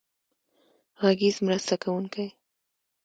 غږیز مرسته کوونکی.